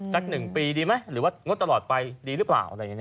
สัก๑ปีดีไหมหรือว่างงดตลอดไปดีหรือเปล่า